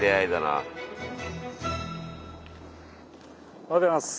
おはようございます。